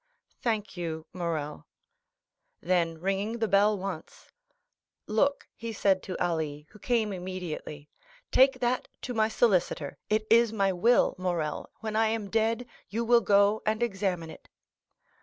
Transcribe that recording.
"Thank you, Morrel." Then ringing the bell once, "Look." said he to Ali, who came immediately, "take that to my solicitor. It is my will, Morrel. When I am dead, you will go and examine it."